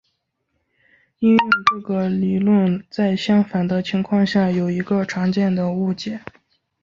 应用这个理论在相反的情况下有一个常见的误解。